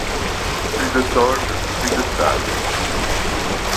Plus de toge, plus de stage.